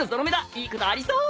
いいことありそう！